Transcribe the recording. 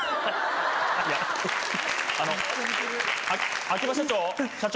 いやあの秋葉社長！社長！